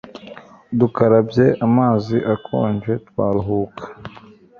dukarabye amazi akonje, twaruhuka